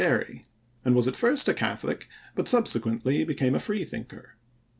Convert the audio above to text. Derry, and was at first a Catholic but subsequently became a free thinker.